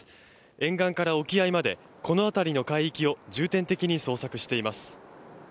沿岸から沖合までこの辺りの海域を重点的に捜索しています。